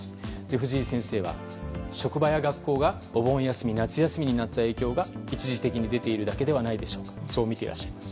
藤井先生は、職場や学校がお盆休み、夏休みになった影響が一時的に出ているだけではないかとみておられます。